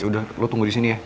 udah lo tunggu di sini ya